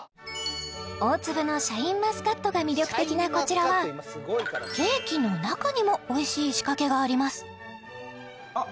大粒のシャインマスカットが魅力的なこちらはケーキの中にもおいしい仕掛けがありますあっ